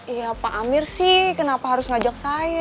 iya pak amir sih kenapa harus ngajak saya